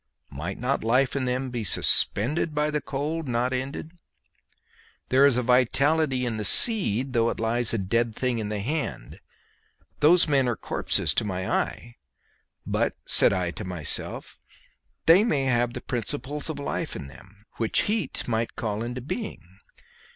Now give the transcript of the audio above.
Might not life in them be suspended by the cold, not ended? There is vitality in the seed though it lies a dead thing in the hand. Those men are corpses to my eye; but said I to myself, they may have the principles of life in them, which heat might call into being.